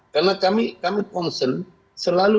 karena kami concern selalu